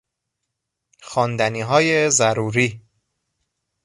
خواندنیهای ضروری